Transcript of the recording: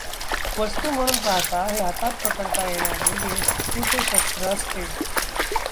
वस्तू म्हणून पाहता, हे हातात पकडता येण्याजोगे धातूचे शस्त्र असते.